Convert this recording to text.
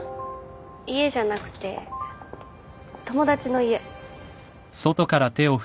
家じゃなくて友達の家。